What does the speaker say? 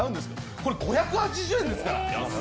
これ５８０円ですから！